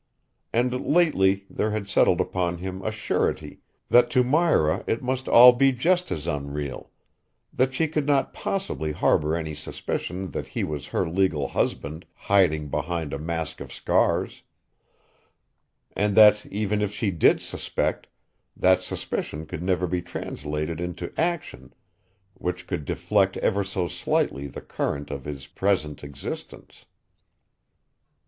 And lately there had settled upon him a surety that to Myra it must all be just as unreal that she could not possibly harbor any suspicion that he was her legal husband, hiding behind a mask of scars and that even if she did suspect, that suspicion could never be translated into action which could deflect ever so slightly the current of his present existence.